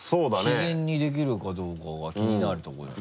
自然にできるかどうかは気になるとこだね。